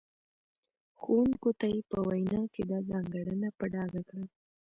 ښوونکو ته یې په وینا کې دا ځانګړنه په ډاګه کړه.